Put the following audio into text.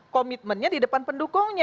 komitmennya di depan pendukungnya